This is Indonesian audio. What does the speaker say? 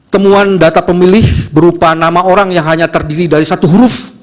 temuan data pemilih berupa nama orang yang hanya terdiri dari satu huruf